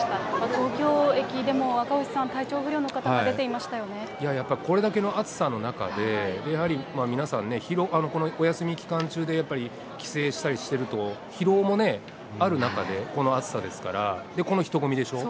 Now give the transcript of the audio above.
東京駅でも赤星さん、やっぱりこれだけの暑さの中で、やはり皆さんね、お休み期間中でやっぱり帰省したりしてると、疲労もね、ある中で、この暑さですから、この人混みでしょ。